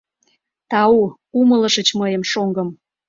— Тау, умылышыч мыйым, шоҥгым...